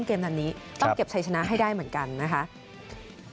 ต้องเก็บชัยชนะให้ได้เหมือนกันนะครับ